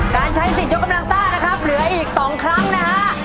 การใช้สิทธิยกกำลังซ่านะครับเหลืออีก๒ครั้งนะฮะ